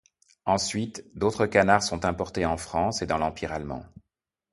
Ensuite d'autres canards sont importés en France et dans l'Empire allemand.